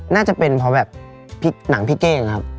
น่าจะเป็นเพราะแบบหนังพี่เก้งครับ